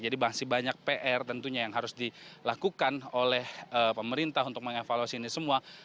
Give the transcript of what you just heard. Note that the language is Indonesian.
jadi masih banyak pr tentunya yang harus dilakukan oleh pemerintah untuk mengevaluasi ini semua